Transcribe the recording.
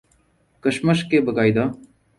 کشمش کے باقاعدہ